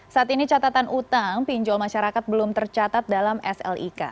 saat ini catatan utang pinjol masyarakat belum tercatat dalam slik